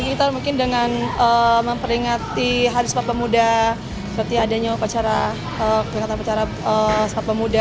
kita mungkin dengan memperingati hari sumpah pemuda berarti adanya kejahatan pecaran sumpah pemuda